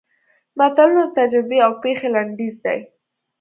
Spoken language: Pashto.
متلونه د تجربې او پېښې لنډیز دي